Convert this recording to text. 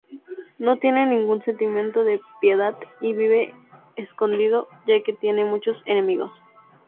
No tiene ningún sentimiento de piedad y vive escondido ya que tiene muchos enemigos.